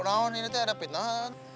nah ini ada pindah